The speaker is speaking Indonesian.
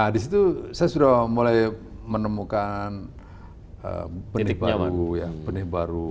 di situ saya sudah mulai menemukan benih baru